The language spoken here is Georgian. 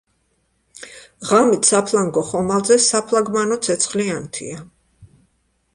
ღამით საფლანგო ხომალდზე საფლაგმანო ცეცხლი ანთია.